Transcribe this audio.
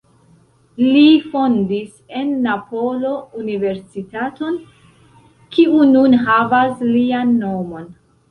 Li fondis en Napolo universitaton kiu nun havas lian nomon.